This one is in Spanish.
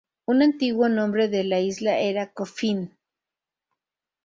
Un antiguo nombre de la isla era "Coffin".